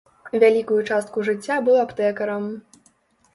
Вялікую частку жыцця быў аптэкарам.